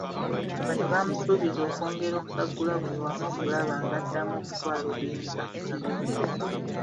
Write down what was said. Bano baamusuubizza okwongera okusaggula buli wamu okulaba ng'addamu okutwala obuyinza mu kalulu.